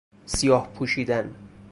سیاه پوشیدن